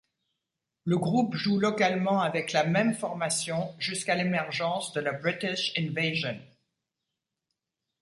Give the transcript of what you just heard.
Le groupe joue localement avec la même formation jusqu'à l'émergence de la British Invasion.